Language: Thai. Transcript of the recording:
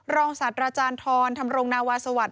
ศาสตราจารย์ทรธรรมรงนาวาสวัสดิ